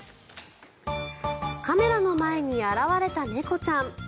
カメラの前に現れた猫ちゃん。